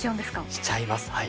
しちゃいますはい。